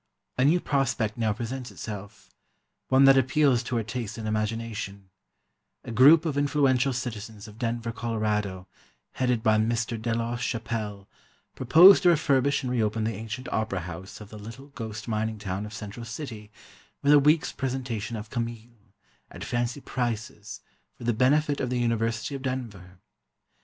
A new prospect now presents itself—one that appeals to her taste and imagination: a group of influential citizens of Denver, Colorado, headed by Mr. Delos Chappell, propose to refurbish and reopen the ancient Opera House of the little "ghost mining town" of Central City, with a week's presentation of "Camille," at fancy prices, for the benefit of the University of Denver.